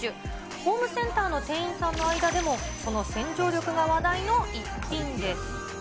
ホームセンターの店員さんの間でも、その洗浄力が話題の一品です。